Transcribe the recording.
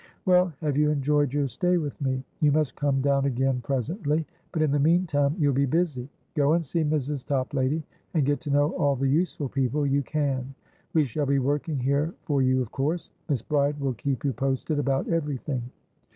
"Well, have you enjoyed your stay with me? You must come down again presently; but, in the meantime, you'll be busy. Go and see Mrs. Toplady, and get to know all the useful people you can. We shall be working here for you, of course. Miss Bride will keep you posted about everything."